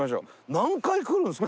何回来るんですか？